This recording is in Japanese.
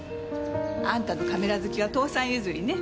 あんたのカメラ好きは父さん譲りね。